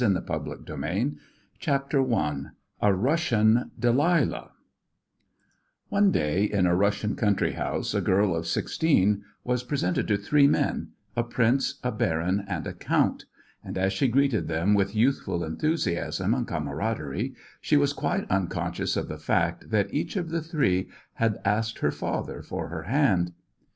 REMARKABLE ROGUES CHAPTER I A RUSSIAN DELILAH One day in a Russian country house a girl of sixteen was presented to three men a prince, a baron, and a count, and as she greeted them with youthful enthusiasm and camaraderie she was quite unconscious of the fact that each of the three had asked her father for her hand.